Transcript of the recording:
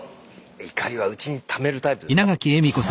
怒りは内にためるタイプですか？